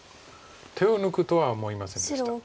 手を抜くとは思いませんでした。